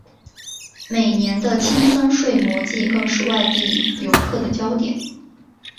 每年的青森睡魔祭更是外地游客的焦点。